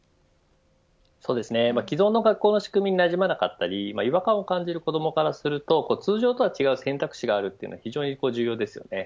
既存の学校の仕組みになじまなかったり違和感を感じる子どもからすると通常とは違う選択肢があるというのは非常に重要ですよね。